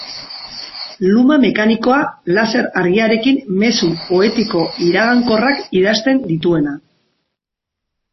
Luma mekanikoa, laser argiarekin mezu poetiko iragankorrak idazten dituena.